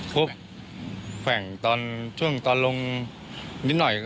แขว่งช่วงตอนลงนิดหน่อย